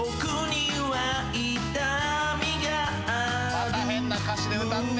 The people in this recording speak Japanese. また変な歌詞で歌って。